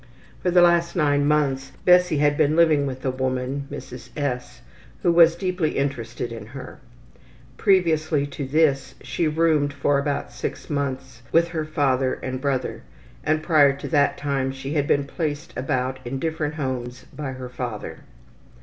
For the last nine months Bessie had been living with a woman, Mrs. S., who was deeply interested in her. Previously to this she roomed for about six months with her father and brother, and prior to that time she had been placed about in different homes by her father.